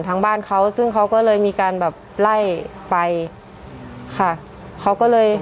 ทางบ้านเขาซึ่งเขาก็เลยมีการแบบไล่ไปค่ะเขาก็เลย